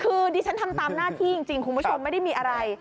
คือดิฉันทำตามหน้าที่จริงคุณผู้ชมไม่ได้มีอะไร